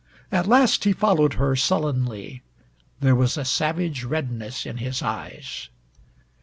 At last he followed her sullenly. There was a savage redness in his eyes.